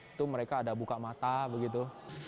itu mereka ada buka mata begitu